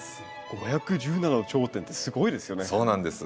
５１７の頂点ってすごいですよね。